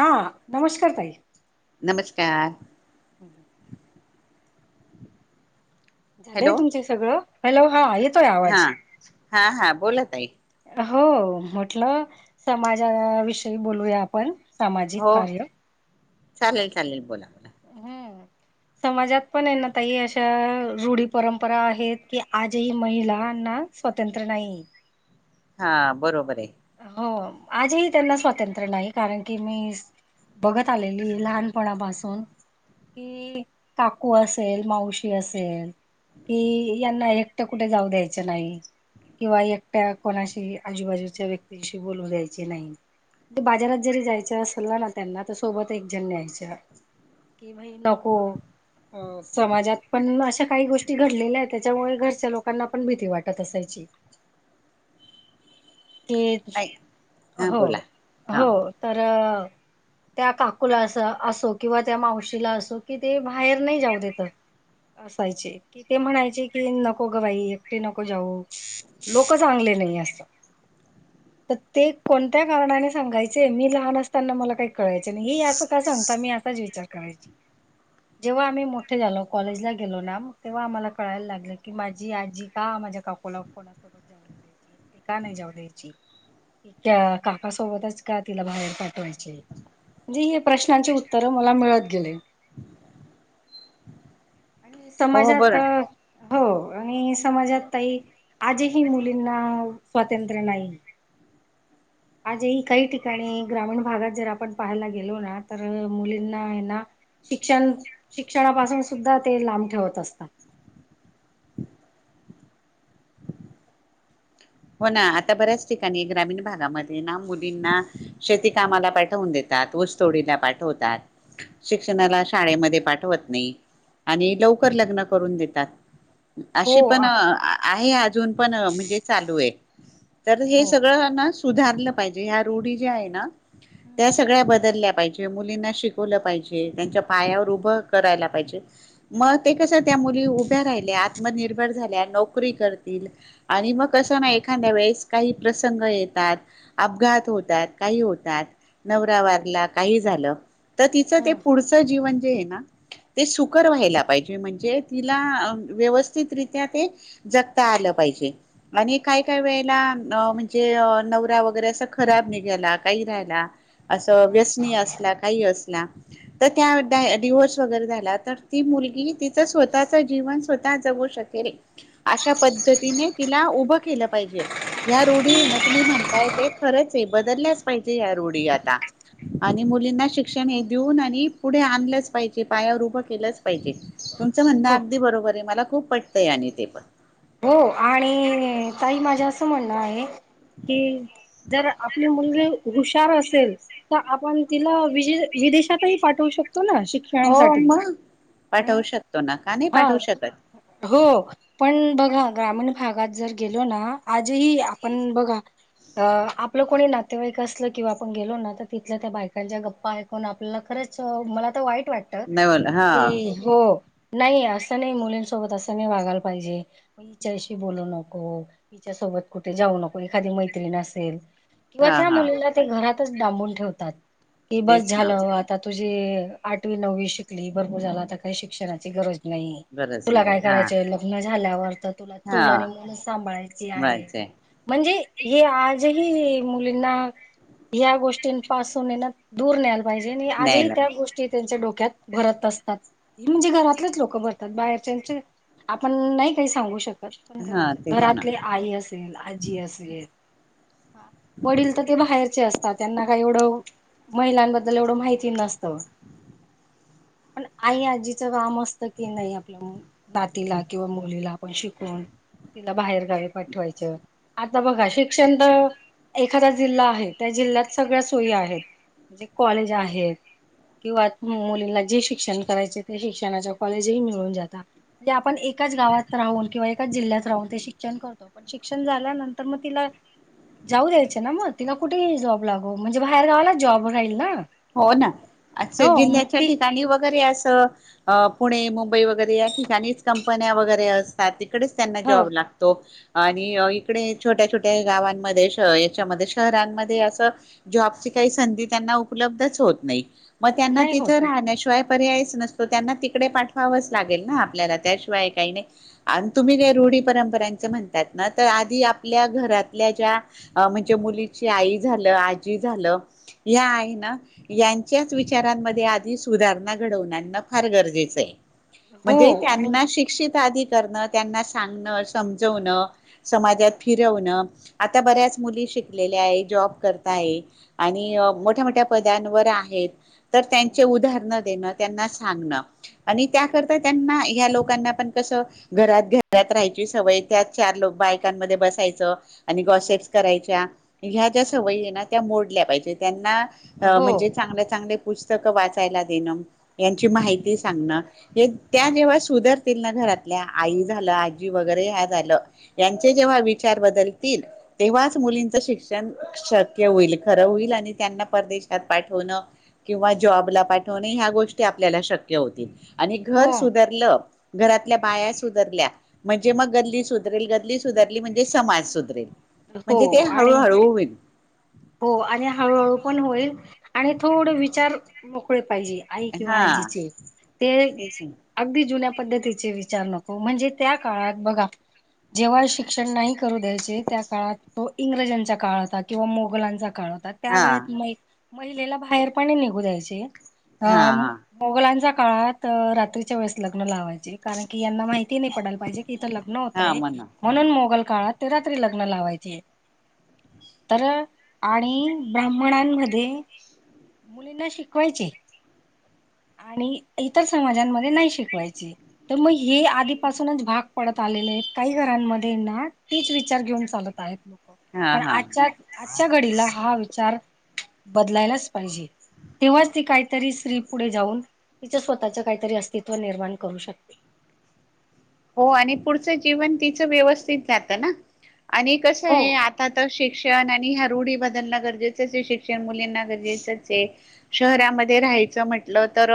हा, नमस्कार ताई नमस्कार. [inaudible] झालंय हॅलो तुमचे सगळं? हॅलो हा य हा, हा हा बोल ताई हो, म्हटलं समाजा विषयी बोलूया आपण हो सामाजिक कार्य चालेल चालेल बोला बोला हम्म समाजात पण आहे ना ताई अशा, रूढी परंपरा आहेत की आजही महिला ना स्वतंत्र नाही हा बरोबर आहे. हो आजही त्यांना स्वातंत्र्य नाही, कारण की मी बघत आलेली लहानपणापासून कि काकू असेल मावशी असेल कि यांना एकटं कुठे जाऊ द्यायचं नाही. किंवा एकट्या कोणाशी आजूबाजूच्या व्यक्तीशी बोलू द्यायचे नाही. बाजारात जरी जायचं असल ना ना त्यांना तर सोबत एक जण न्यायचं कि म ही नको अ‌ समाजात पण अशा काही गोष्टी घडलेल्या आहेत त्याच्यामुळे घरच्या लोकांना पण भीती वाटत असायची. [inaudible] ते, नाही हा हो बोला हा हो तर अ त्या काकूला असं असो किंवा त्या मावशीला असो कि ते बाहेर नाही जाऊ देत. असायचे कि ते म्हणायचे की नको ग बाई एकटी नको जाऊ लोकं चांगले नाही असं तर ते कोणत्या कारणाने सांगायचे, मी लहान असताना मला काही कळायचे नाही हे असं का सांगता मी असाच विचार करायची. जेव्हा आम्ही मोठे झालो कॉलेजला गेलो ना म तेव्हा आम्हाला कळायला लागलं की माझी आजी का माझ्या काकूला कोणासोबत जाऊ द्यायची, एकटी का नाही जाऊ द्यायची? त्या काकासोबतच का तिला बाहेर पाठवायचे. जी हे प्रश्नांची उत्तर मला मिळत गेले. आणि हो हो समाजात अ बरं हो, आणि समाजात ताई आजही मुलींना स्वातंत्र्य नाही. आजही काही ठिकाणी ग्रामीण भागात जर आपण पाहायला गेलो ना तर, मुलींना आहे ना शिक्षण शिक्षणापासून सुद्धा ते लांब ठेवत असतात. हो ना आता बऱ्याच ठिकाणी ग्रामीण भागामध्ये ना मुलींना शेती कामाला पाठवून देतात. तात ऊस तोडीला पाठवतात, शिक्षणाला शाळेमध्ये पाठवत नाही. आणि लवकर लग्न करून देतात. हो अशी पण, आ आहे अजून पण म्हणजे चालू आहे. तर हे हो सगळं ना सुधारलं पाहिजे ह्या रूढी ज्या आहे ना, त्या सगळ्या बदलल्या पाहिजे मुलींना शिकवलं पाहिजे त्यांच्या पायावर उभं करायला पाहिजे मग ते कसं त्या मुली उभ्या राहिल्या आत्मनिर्भर झाल्या नोकरी करतील, आणि मग कसं नाही एखाद्या वेळेस काही प्रसंग येतात, अपघात होतात, काही होतात नवरा वारला काही झालं, तर तिचं ते हम्म पुढचं जीवन जे आहे ना ते सुखर व्हायला पाहिजे म्हणजे तिला अ व्यवस्थितरित्या ते जगता आलं पाहिजे. आणि काही काही वेळेला म्हणजे नवरा वगैरे असं खराब निघाला काही राहिला असं व्यसनीय असला काही अस ला तर त्या डाय डिव्होर्स वगैरे झाला तर ती मुलगी तिचं स्वतःच जीवन स्वतः ता जगू शकेल अशा पद्धतीने तिला उभं केलं पाहिजे या रूढी हे ना तुम्ही म्हणताय ते खरंच आहे बदलल्याच पाहिजे या र रूढी आता आणि मुलींना शिक्षण हे देऊन आणि पुढे आणलंच पाहिजे पायावर उभ केल. पाहिजे तुमच म्हणण अगदी बरोबर आहे मला खूप वाटतंय आणि ते पण हो आणि ताई माझं असं म्हणणं आहे. कि जर आपली मुलगी हुशार असेल तर आपण तिला विजय विदेशातही पाठवू शकतो ना हो शिक्षणासाठी मग हम् पाठवू शकतो ना का नाही हा पाठवू शकत हो पण बघ. ह ग्रामीण भागात जर गेलो ना आजही आपण बघा. अ आपलं कोणी नातेवाईक असलं किंवा आपण गेलो ना तर तिथल्या त्या बायकांच्या गप्पा ऐकून आपल्याला खर. खरच मला तर वाईट वाटत नाही बोला हा की हो. नाही असं नाही मुलींसोबत असं नाही वागायला पाहिजे. म हिच्याशी बोलू नको हिच्यासोबत कुठे जाऊ नको एखादी मैत्रीण असेल. किंवा हा त्या हा मुलीला घरातच डांबून ठेवतात की बस तेच ना झालं आता तुझ जे आठवी, नववी शिकली भरपूर झाल आता काही शिक्षणाची गरज नाही गरज तुला नाही काय हा करायचंय लग्न झाल्यावर तर तुला हा चुल आणि मुलंच सांभाळायची आहे म्ह मिळायचंय म्हणजे हे आजही मुलींना ह्या गोष्टींपासून ये ना दूर न्यायला पाहिजे आणि आजही न्यायला त्या गोष्टी त्यांच्या डोक क्यात भरत असतात म्हणजे घरातलेच लोक भरतात बाहेरच्यांचे आपण नाही काही सांगू शकत हा तेच ना घरातली आई असेल, आजी असेल. हा वडील तर ते बाहेरचे असतात त्यांना काय एवढं महिलांबद्दल एवढं माहिती नसतं. पण आई, आजीचं काम असतं की नाही आपल्या नातीला किंवा मुलीला आपण शिकवून तिला बाहेर गावी पाठवायचं आता बघा शिक्षण तर एखादा जिल्हा आहे त्या जिल्ह्यात सगळ्या सोयी आहेत म्हणजे कॉलेज आहेत. किंवा मुलींना जे शिक्षण करायचे ते शिक्षणाच्या कॉलेजही मिळून जाता पण आपण एकाच गावात राहून किंवा एकाच जिल्ह्यात राहून ते शिक्षण करतो पण शिक्षण झाल्यानंतर मग तिला जाऊ द्यायचे ना मग तिनं कुठेही जॉब लागो म्हणजे बाहेर गावायला जॉब राहील ना हो ना आस हो मग जिल्ह्याच्या ती ठिकाणी वगैरे अस. पुणे, मुंबई वगैरे या ठिकाणीच कंपन्या वगैरे असतात. तिकडेच त्यांना ह जॉब लागतो. आणि इकडे छोट्या छोट्या गावांमध्ये शह याच्यामध्ये शहरांमध्ये असं जॉबची काही संधी त्यांना उपलब्धच होत नाही म त्यांना नाही तीथ होत ना राहण्याशिवाय पर्यायच नसतो त्यांना तिकडे पाठवावच लागेल ना आपल्याला त्याशिवाय काही नाही. आणि तुम्ही काय हो रूढी, परंपरां च म्हणतात ना तर आधी आपल्या घरातल्या ज्या म्हणजे मुलीची आई झालं आजी झाल या आई यांच्याच विचारांमध्ये आधी सुधारणा घडवून आणणं फार गरजेचं आहे. हो म्हणजे आणि त्यांना शिक्षित आधी करण त्यांना सांगण, समजवणं, समाजात फिरवणं आता बऱ्याच उद्दिष्ट शिकलेले आहे जॉब करता आहे आणि मोठ्या मोठ्या पद्यानवर आहेत तर त्यांचे हम्म, उदाहरण देण त्यांना सांगणं त्याकरता त्यांना ह्या लोकांना पण कस घरात घरात राह सवय त्यात चार लोक बायकांमध्ये बसायच. आणि हो गॉसेट्स करायच्या ह्या ज्या हम्म, सवयी आहे ना त्या मोडल्या पाहिजे त्यांना अ हो म्हणजे चांगल्या चांगले पुस्तक वाचायला देणं यांची माहिती सांगण हे त्या जेव्हा सुधरतील ना आई झाल आजी वगरे झाल यांचे जेव्हा विचार बदलतील तेव्हा मुलीच शिक्षण शक्य होईल खरं होईल आणि त्यांना परदेश. त्यात पाय ठेवणं किंवा जॉबला पाठवण ह्या गोष्टी आपल्याला शक्य होतील. आणि हो घर सुधरलं. घरातल्या बाया सुधरल्या म्हणजे मग गल्ली सुधरेल गल्ली सुधारली म्हणजे. समाज सुधरेल हो म्हणजे ते आणि हळूहळू होईल. हो आणि हळू हळू पण होईल आणि थोड विचार मोकळे. पाहिजे आई किंवा हा आजीचे ते तेच अगदी जुन्या. पद्धतीचे विचार नको म्हणजे त्या काळात बघा. जेव्हा शिक्षण नाही करू द्यायचे त्या काळात तो इंग्रजांच्या काळ होता किंवा मोघल. मुघलाचा काळ होता त्या ना. हा वळेत महिलेला बाहेर पण निघू द्यायचे. अ हा हा मोघलांच्या काळात रात्रीच्या वेळेस लग्न लावायचं. जी कारण की यांना माहिती नाही पडायला पाहिजे, इथे लग्न हा होतय म्हणा म्हणून मोघल काळात रात्री लग्न लावायचे तर आणि ब्राह्मणांमध्ये मुलींना शिकवायचे. [inaudible] आणि इतर समाजांमध्ये नाही शिकवायचे, तर मग हे आधीपासूनच भाग पडत आलेले. काही घरांमध्ये ना तीच विचार घेऊन चालत आहेत. हा पण हा आजच्या आजच्या घडीला हा विचार बदलायलाच पाहिजे. तेव्हाच ती काही तरी स्त्री पुढे जाऊन तिच्या स्वतःच काहीतरी अस्तित्व निर्माण करू शकते. हो आणि पुढचं जीवन तिचं व्यवस्थित जात ना. आणि कसं हो आहे आता तर शे क्षण आणि रूढी बदलणं गरजेचं ये शिक्षण मुलींना गरजेच आहे ते शहरामध्ये खायचं म्हटलं, तर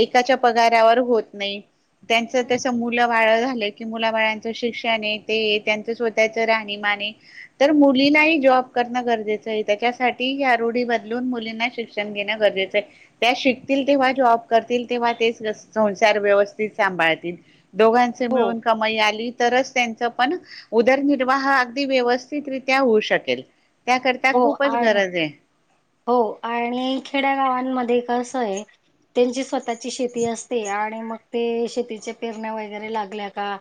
एकक्याच्या पगारावर होत नाही, त्याचं तस मूल मूल झालं की मुला बाळांच शिक्षण ये त्यांच स्वतःच राहणीमान ये तर मुली जॉब करणं गरजेचं ये त्याच्यासाठी या रूढी बदलून मुलींना शिकणं घेणं गरजेचं आहे. शिकतील तेव्हा जॉब करतील, तेव्हा ते संसार व्यवस्थित सांभाळतील. दोघांचे हो मिळून कमाई आली. तरच त्यांच पण उदरनिर्वाह अगदी व्यवस्थितरित्या होऊ शकेल. त्याकरता हो खूपच आणि गरज आहे हो आणि खेड्या गावांमध्ये कसं आहे. त्यांची स्वतःची शेती असते, आणि मग ते शेतीच्या पेरण्या वगैरे लागल्या का?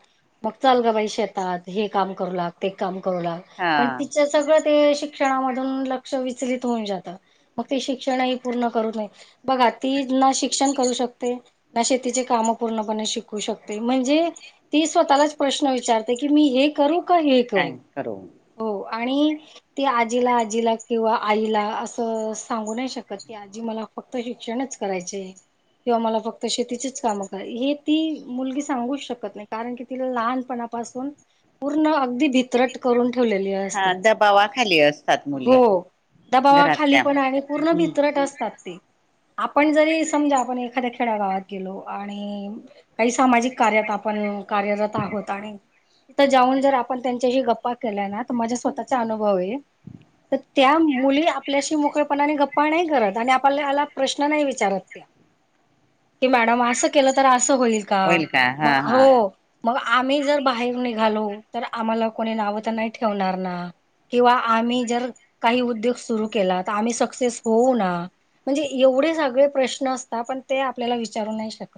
मग चाल ग बाई शेतात हे काम करू लाग ते काम करू लाग पण हा तिच्या सगळं ते शिक शिक्षणामधून लक्ष विचलित होऊन जातं. मग ते शिक्षणही पूर्ण करू नये, बघा ती ना शिक्षण करू शकते ना शेतीचे काम. मग पूर्णपणे शिकू शकते म्हणजे ती स्वतःला प्रश्न विचारते की मी हे करू का हे करू हो आणि ते आजीला-आजीला किंवा आईला असं सांगू नाही शकत की आजी मला फक्त शिक्षणच करायचे आहे. किंवा मला फक्त शेतीचीच कामं करा हे ती मुलगी सांगूच शकत नाही कारण की तिला लहानपणा पासून पूर्ण अगदी भितरट करून ठेवलेली हा असते. दबावाखाली असतात हो मुली दबावाखाली घरातल्या पण आणि हम्म पूर्ण की भितरट असतात ते. आपण जरी समजा आपण एखाद्या खेडगावात गेलो, आणि काही सामाजिक कार्यात आपण कार्यरत आहोत आणि तीथं जाऊन जर आपण त्यांच्याशी गप्पा केल्या ना, तर माझा स्वतःचा अनुभव आहे तर त्या मुली आपल्याशी मोकळेपणाने गप्पा नाही करत आपल्याला प्रश्न नाही विचारत त्या, की मॅडम अस केलं तर अस होईल का मग हो मग आम्ही जर बाहेर निघालो तर आम्हाला कोणी नाव तर नाही ठेवणार ना किंवा आम्ही जर काही उद्योग सुरू केला, तर आम्ही सक्सेस होऊ ना म्हणजे एवढे सगळे प्रश्न असतात पण ते आपल्याला विचारू नाय शकत.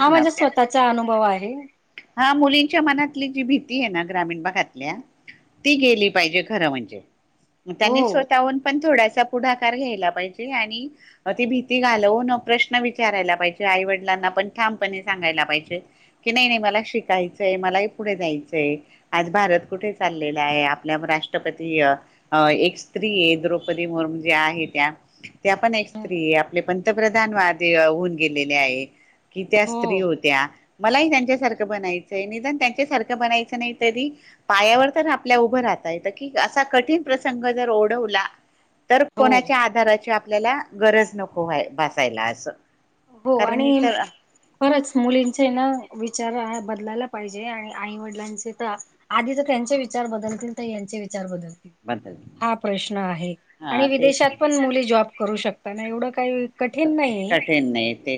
हा ना माझा त्या स्वतःचा अनुभव आहे. हा मुलींच्या मनातली जी भीती आहे ना ग्रामीण भागातल्या ती गेली पाहिजे खरं म्हणजे हो त्यानी स्वतःहून पण थोडासा पुढाकार घ्यायला पाहिजे आणि ती भीती घालवून प्रश्न विचारायला पाहिजे आई-वडिलांना पण ठाम पणे सांगायला पाहिजे की नाही नाही मला शिकायचंय मला ही पुढे जायचंय. आज भारत कुठे चाललेला आहे आपल्या राष्ट्रपती एक स्त्री आहे द्रौपदी मुर्मू ज्या आहे त्या, त्या पण एक स्त्री आहे आपले पण पंतप्रधान आधी होऊन गेलेले आहेत. की त्या स्त्री हो. होत्या मलाही त्यांच्यासारखं बनायचं. निदान त्यांच्यासारखं बनायचं नाही तरी पायावर आपल्या उभं राहता येत की असा कठीण प्रसंग जर ओढवला तर हो कोणाच्या आधाराची आपल्याला गरज नको व्हा भसायला असं. हो. कारण आणि इतर खरंच मुलीचे ना विचार आ बदलायला पाहिजे. आणि आई-वडिलांचे तर. आधी तर त्यांचे विचार बदलतील तर यांचे विचार बदलतील. बदल हा प्रश्न आहे. हा आणि तेच विदेशात पण ना मुली जॉब करू शकता ना एवढं काही कठीण नाहीये. कठीण नाय ते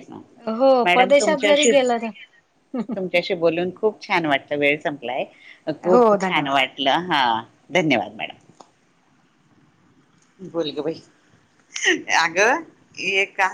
हो मॅडम परदेशात जरी गेलं तर तुमच्याशी-तुमच्याशी बोलून खूप छान वाटलं वेळ संपलाय हो खूप छान धन्यवाद. वाटलं हा. धन्यवाद मॅडम. बोल ग बाई. अगं एका